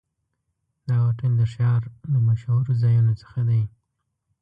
دا هوټل د ښار له مشهورو ځایونو څخه دی.